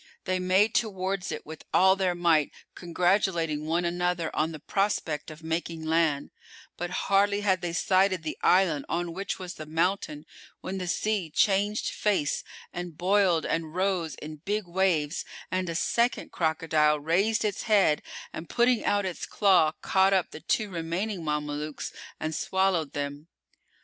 They made towards it with all their might congratulating one another on the prospect of making land; but hardly had they sighted the island on which was the mountain, when the sea changed face and boiled and rose in big waves and a second crocodile raised its head and putting out its claw caught up the two remaining Mamelukes and swallowed them.